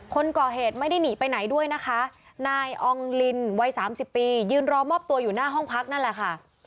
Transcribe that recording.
คนก่อเหตุไม่ได้หนีไปไหนด้วยนะคะนายอองลินวัยสามสิบปียืนรอมอบตัวอยู่หน้าห้องพักนั่นแหละค่ะ